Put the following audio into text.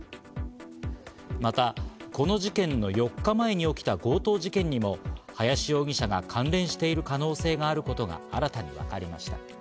またこの事件の４日前に起きた強盗事件にも林容疑者が関連している可能性があることが新たに分かりました。